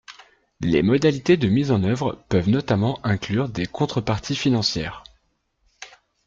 » Les modalités de mise en œuvre peuvent notamment inclure des contreparties financières.